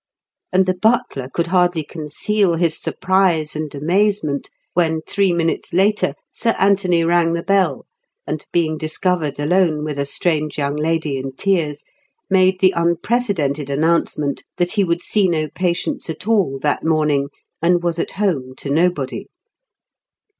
And the butler could hardly conceal his surprise and amazement when three minutes later Sir Anthony rang the bell, and being discovered alone with a strange young lady in tears, made the unprecedented announcement that he would see no patients at all that morning, and was at home to nobody.